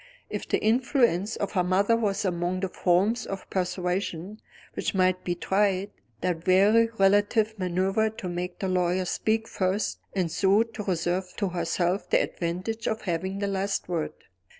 If the influence of her mother was among the forms of persuasion which might be tried, that wary relative maneuvered to make the lawyer speak first, and so to reserve to herself the advantage of having the last word.